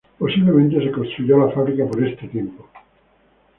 Posiblemente se construyó la fábrica por este tiempo.